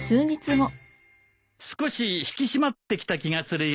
少し引き締まってきた気がするよ。